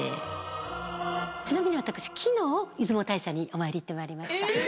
ちなみに私昨日出雲大社にお参り行ってまいりました。